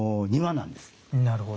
なるほど。